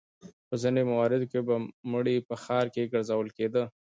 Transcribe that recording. په ځینو مواردو کې به مړی په ښار کې ګرځول کېده.